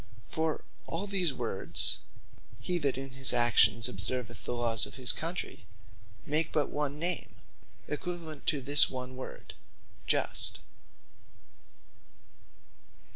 For all these words, Hee That In His Actions Observeth The Lawes Of His Country, make but one Name, equivalent to this one word, Just.